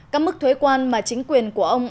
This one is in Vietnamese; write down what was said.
các mức thuế quan mà chính quyền của ông